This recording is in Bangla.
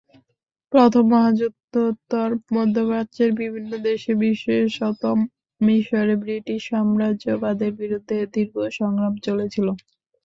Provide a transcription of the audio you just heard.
প্রথম মহাযুদ্ধোত্তর মধ্যপ্রাচ্যের বিভিন্ন দেশে, বিশেষত মিসরে ব্রিটিশ-সাম্রাজ্যবাদের বিরুদ্ধে দীর্ঘ সংগ্রাম চলেছিল।